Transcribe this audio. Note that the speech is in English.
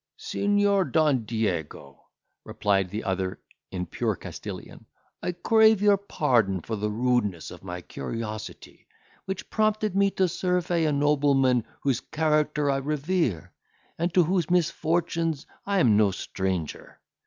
"Signior Don Diego," replied the other in pure Castilian, "I crave your pardon for the rudeness of my curiosity, which prompted me to survey a nobleman, whose character I revere, and to whose misfortunes I am no stranger.